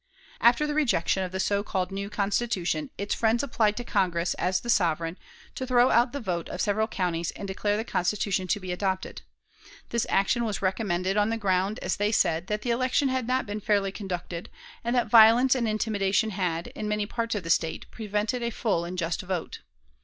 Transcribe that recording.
After the rejection of the so called new Constitution, its friends applied to Congress, as the sovereign, to throw out the vote of several counties and declare the Constitution to be adopted. This action was recommended on the ground, as they said, that the election had not been fairly conducted, and that violence and intimidation had, in many parts of the State, prevented a full and just vote.